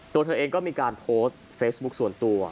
ตัวเธอเองก็มีการโพสต์เฟซบุ๊คส่วนตัว